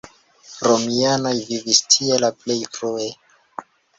Romianoj vivis tie la plej frue.